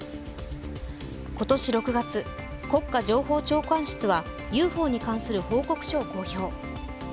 今年６月、国家情報長官室はＵＦＯに関する報告書を公表。